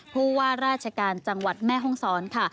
ผู้ว่าราชการจังหวัดแม่ห้องศรค่ะ